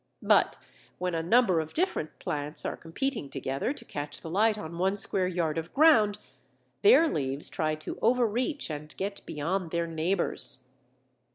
But, when a number of different plants are competing together to catch the light on one square yard of ground, their leaves try to overreach and get beyond their neighbours.